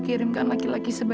kalau dengan bikin nona saja